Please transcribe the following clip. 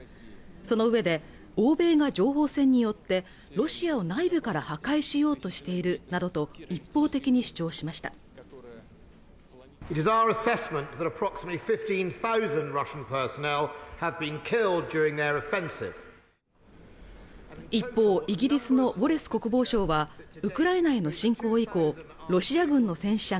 そのうえで欧米が情報戦によってロシアを内部から破壊しようとしているなどと一方的に主張しました一方イギリスのウォレス国防相はウクライナへの侵攻以降ロシア軍の戦死者